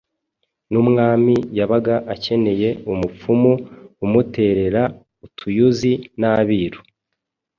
N'umwami yabaga akeneye umupfumu umuterera utuyuzi n'Abiru